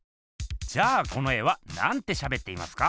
じゃあこの絵はなんてしゃべっていますか？